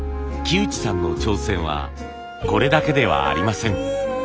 木内さんの挑戦はこれだけではありません。